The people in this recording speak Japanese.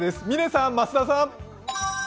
嶺さん、増田さん。